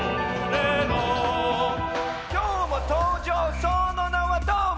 「今日も登場その名はどーも」